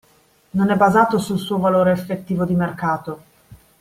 Non è basato sul suo valore effettivo di mercato.